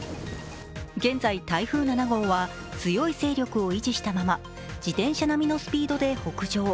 現在、台風７号は強い勢力を維持したまま自転車並みのスピードで北上。